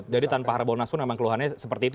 jadi tanpa harbunas pun memang keluhannya seperti itu